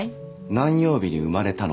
「何曜日に生まれたの？」